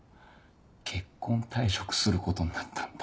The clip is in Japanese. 結婚退職することになったんだ。